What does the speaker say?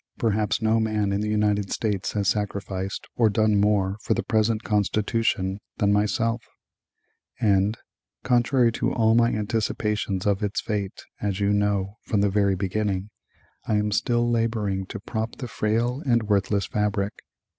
Perhaps no man in the United States has sacrificed or done more for the present Constitution than myself; and, contrary to all my anticipations of its fate, as you know, from the very beginning, I am still laboring to prop the frail and worthless fabric.